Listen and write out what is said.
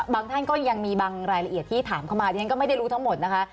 ท่านก็ยังมีบางรายละเอียดที่ถามเข้ามาดิฉันก็ไม่ได้รู้ทั้งหมดนะคะ